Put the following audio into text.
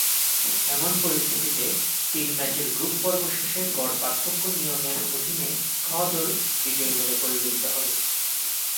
এমন পরিস্থিতিতে, তিন ম্যাচের গ্রুপ পর্ব শেষে গড় পার্থক্য নিয়মের অধীনে খ দল বিজয়ী বলে পরিগণিত হবে।